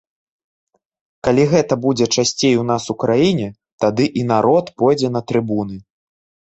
Калі гэта будзе часцей у нас у краіне, тады і народ пойдзе на трыбуны.